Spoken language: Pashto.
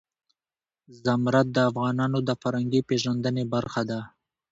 زمرد د افغانانو د فرهنګي پیژندنې برخه ده.